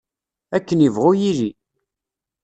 Akken ibɣu yilli.